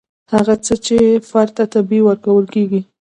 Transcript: هغه څه چې فرد ته طبیعي ورکول کیږي.